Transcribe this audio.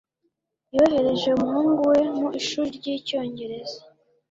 Yohereje umuhungu we mu ishuri ry’icyongereza